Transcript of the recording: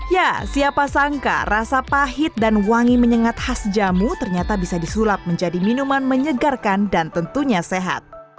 ya siapa sangka rasa pahit dan wangi menyengat khas jamu ternyata bisa disulap menjadi minuman menyegarkan dan tentunya sehat